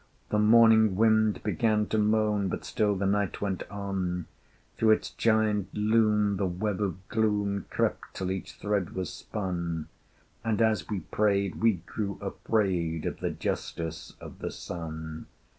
The morning wind began to moan, But still the night went on: Through its giant loom the web of gloom Crept till each thread was spun: And, as we prayed, we grew afraid Of the Justice of the Sun.